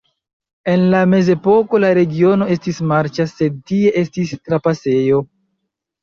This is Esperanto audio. En la mezepoko la regiono estis marĉa, sed tie estis trapasejo.